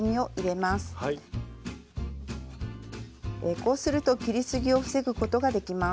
こうすると切りすぎを防ぐことができます。